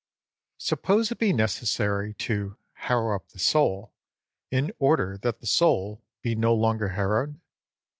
Suppose it be necessary to "harrow up the soul," in order that the soul be no longer harrowed?